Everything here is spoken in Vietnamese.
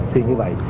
thì như vậy